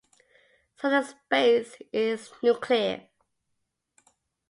So the space is nuclear.